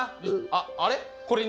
あっあれ？